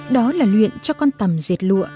đó là luyện cho con tầm dệt lụa